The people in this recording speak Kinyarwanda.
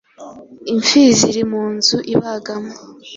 impfizi iri munzu ibagamo